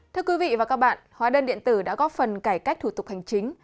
thưa quý vị và các bạn hóa đơn điện tử đã góp phần cải cách thủ tục hành chính